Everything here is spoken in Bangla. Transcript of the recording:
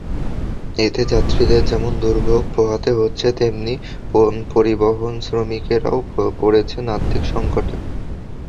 এতে যাত্রীদের যেমন দুর্ভোগ পোহাতে হচ্ছে, তেমনি পরিবহনশ্রমিকেরাও পড়েছেন আর্থিক সংকটে।